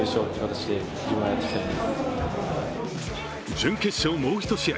準決勝もう一試合。